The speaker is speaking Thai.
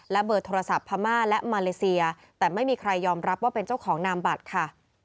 เบอร์โทรศัพท์พม่าและมาเลเซียแต่ไม่มีใครยอมรับว่าเป็นเจ้าของนามบัตรค่ะ